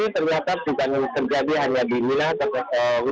selain el instagram di jemaah haji